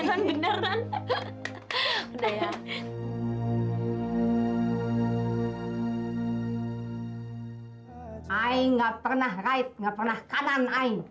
saya enggak pernah kanan saya enggak pernah kanan